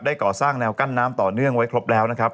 ก่อสร้างแนวกั้นน้ำต่อเนื่องไว้ครบแล้วนะครับ